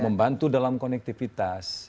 membantu dalam konektivitas